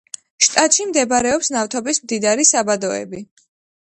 შტატში მდებარეობს ნავთობის მდიდარი საბადოები.